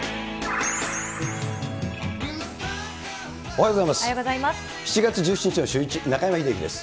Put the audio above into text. おはようございます。